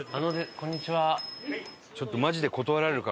こんにちは。